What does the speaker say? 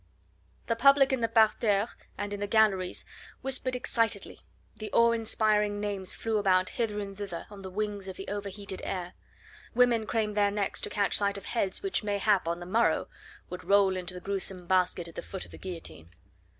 The public in the parterre and in the galleries whispered excitedly; the awe inspiring names flew about hither and thither on the wings of the overheated air. Women craned their necks to catch sight of heads which mayhap on the morrow would roll into the gruesome basket at the foot of the guillotine.